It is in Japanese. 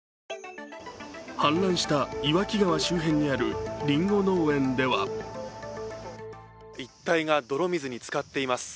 氾濫した岩木川周辺にあるりんご農園では一帯が泥水につかっています。